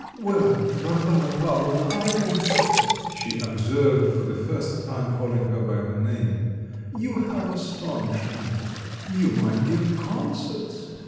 "Well, Varvara Pavlovna, I confess," she observed, for the first time calling her by her name, "you have astonished me; you might give concerts.